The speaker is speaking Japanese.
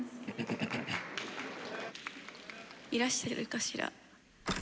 いらしてるかしら。